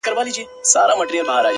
زه د بل له ښاره روانـېـږمـه _